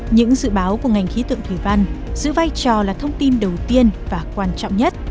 những dự báo của ngành khí tượng thủy văn giữ vai trò là thông tin đầu tiên và quan trọng nhất